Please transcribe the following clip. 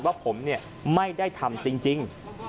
ว่าผมไม่ได้ทำจริง